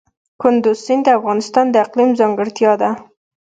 کندز سیند د افغانستان د اقلیم ځانګړتیا ده.